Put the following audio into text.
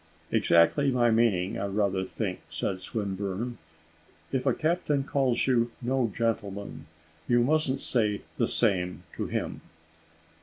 '" "Exactly my meaning I rather think," said Swinburne, "if a captain calls you no gentleman, you mustn't say the same to him."